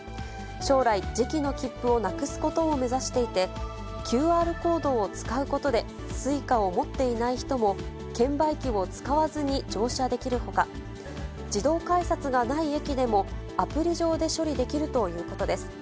将来、磁気の切符をなくすことを目指していて、ＱＲコードを使うことで、Ｓｕｉｃａを持っていない人も券売機を使わずに乗車できるほか、自動改札がない駅でも、アプリ上で処理できるということです。